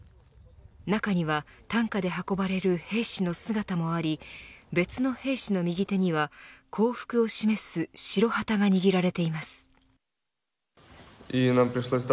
なかには担架で運ばれる兵士の姿もあり別の兵士の右手には降伏を示す白旗が握られています。